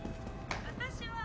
私は。